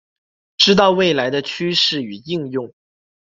知道未来的趋势与应用